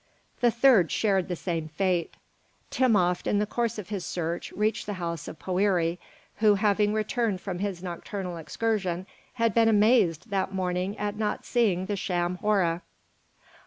The third shared the same fate. Timopht, in the course of his search, reached the house of Poëri, who, having returned from his nocturnal excursion, had been amazed that morning at not seeing the sham Hora.